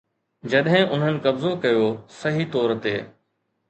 جڏهن انهن قبضو ڪيو، صحيح طور تي